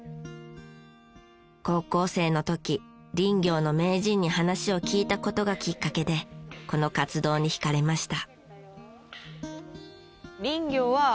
高校生の時林業の名人に話を聞いた事がきっかけでこの活動に惹かれました。